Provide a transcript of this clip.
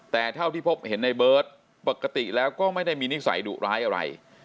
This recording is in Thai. แต่เท่าที่พบเห็นในเบิร์ตปกติแล้วก็ไม่ได้มีนิสัยดุร้ายอะไร